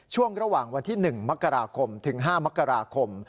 ช่วงระหว่างวันที่๑มกราคมถึง๕มกราคม